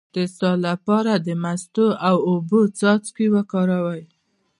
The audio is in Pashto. د اسهال لپاره د مستو او اوبو څاڅکي وکاروئ